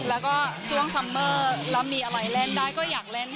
แล้วก็ช่วงซัมเมอร์แล้วมีอะไรเล่นได้ก็อยากเล่น